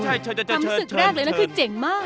จำศึกแรกเลยนะคือเจ๋งมาก